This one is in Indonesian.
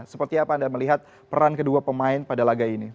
seperti apa anda melihat peran kedua pemain pada laga ini